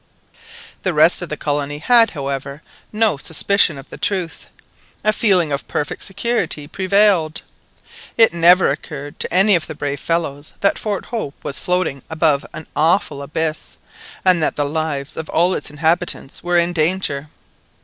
The rest of the colony had, however, no suspicion of the truth; a feeling of perfect security prevailed. It never occurred to any of the brave fellows that Fort Hope was floating above an awful abyss, and that the lives of all its inhabitants were in danger.